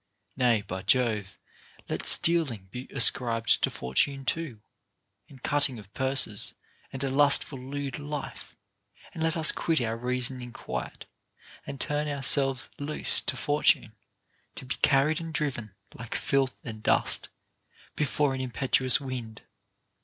Nay, by Jove, let stealing be ascribed to Fortune too, and cutting of purses, and a lustful lewd life ; and let us quit our reasoning quite, and turn ourselves loose to Fortune, to be carried and driven, like filth and dust, be fore an impetuous wind.